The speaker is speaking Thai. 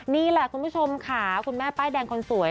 นี่แหละคุณผู้ชมค่ะคุณแม่ป้ายแดงคนสวย